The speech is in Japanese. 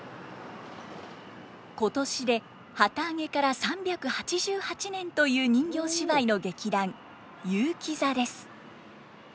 今年で旗揚げから３８８年という人形芝居の劇団結城座です。